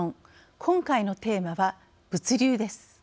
今回のテーマは、物流です。